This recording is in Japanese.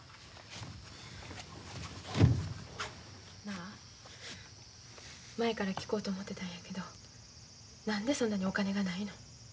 なあ前から聞こうと思てたんやけど何でそんなにお金がないのん？